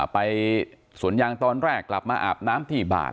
ไปสวนยางตอนแรกกลับมาอาบน้ำที่บ้าน